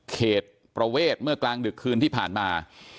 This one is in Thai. เขตประเวทเมื่อกลางดึกคืนที่ผ่านมา